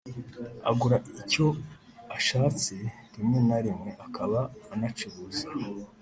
agura icyo ashaste rimwe na rimwe akaba anacuruza